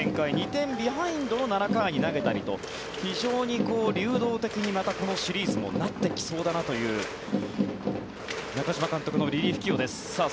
２点ビハインドの７回に投げたりと非常に流動的に、このシリーズもなってきそうだなという中嶋監督のリリーフ起用です。